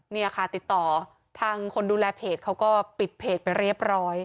เนี่ยค่ะติดต่อทางคนดูแลเพจเขาก็ปิดเพจไปเรียบร้อย